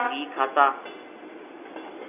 دودھ گھی کھاتا